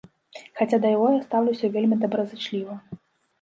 Хаця да яго я стаўлюся вельмі добразычліва.